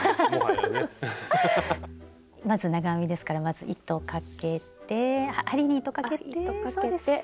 まず長編みですからまず糸かけて針に糸かけてそうです。